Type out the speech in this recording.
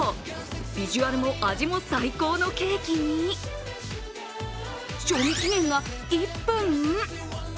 ビジュアルも味も最高のケーキに賞味期限が１分？